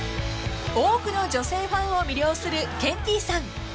［多くの女性ファンを魅了するケンティーさん］